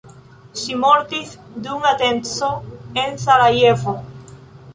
Ŝi mortis dum atenco en Sarajevo.